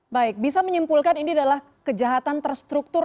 baik bisa menyimpulkan ini adalah kejahatan terstruktur